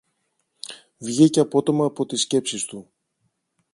Βγήκε απότομα από τις σκέψεις του